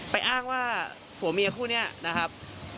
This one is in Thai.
อ้างว่าผัวเมียคู่นี้นะครับ